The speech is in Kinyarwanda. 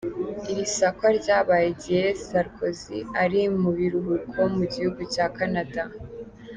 Iri sakwa ryabaye igihe Sarkozy ari mu biruhuko mu gihugu cya Kanada.